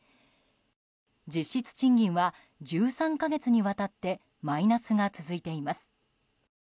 実質賃金は１３か月にわたってマイナスが続いています。